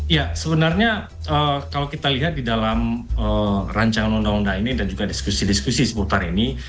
ya sebenarnya kalau kita lihat di dalam rancangan undang undang ini dan juga diskusi diskusi seputar ini